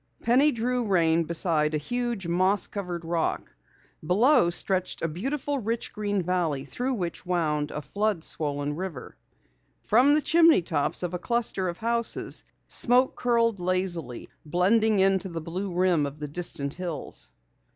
Penny drew rein beside a huge, moss covered rock. Below stretched a beautiful rich, green valley through which wound a flood swollen river. From the chimney tops of a cluster of houses smoke curled lazily, blending into the blue rim of the distant hills.